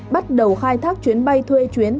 bắt đầu khai thác chuyến bay thuê chuyến